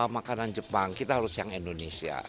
makanan jepang kita harus yang indonesia